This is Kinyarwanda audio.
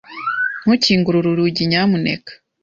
Ntukingure uru rugi, nyamuneka.